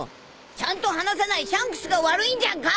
ちゃんと話さないシャンクスが悪いんじゃんか！